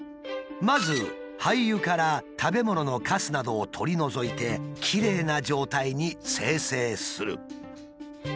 まず廃油から食べ物のカスなどを取り除いてきれいな状態に精製する。